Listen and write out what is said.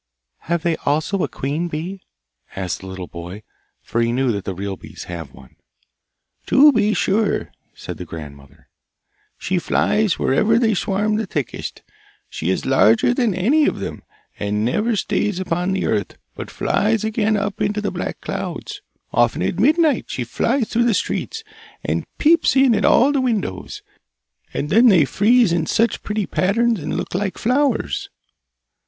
'Have they also a queen bee?' asked the little boy, for he knew that the real bees have one. 'To be sure,' said the grandmother. 'She flies wherever they swarm the thickest. She is larger than any of them, and never stays upon the earth, but flies again up into the black clouds. Often at midnight she flies through the streets, and peeps in at all the windows, and then they freeze in such pretty patterns and look like flowers.